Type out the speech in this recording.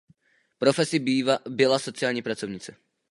Profesí byla sociální pracovnice.